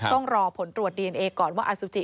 ต้องรอผลตรวจดีเอนเอก่อนว่าอสุจิ